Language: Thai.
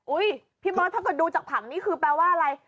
อุ๊ยพี่มอสถ้าเกิดดูจากฐานนี้คือแปลว่าอะไร